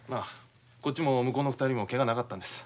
こっちも向こうの２人もけがはなかったんです。